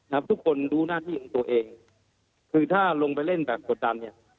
ทุกคนรู้หน้าที่ของตัวเองคือถ้าลงไปเล่นแบบกดดันเนี่ย